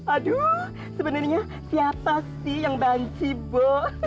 aduh sebenarnya siapa sih yang banci bu